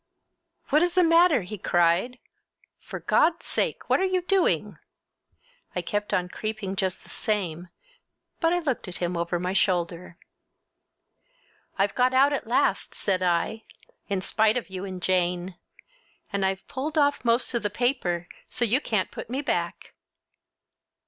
"What is the matter?" he cried. "For God's sake, what are you doing!" I kept on creeping just the same, but I looked at him over my shoulder. "I've got out at last," said I, "in spite of you and Jane! And I've pulled off most of the paper, so you can't put me back!"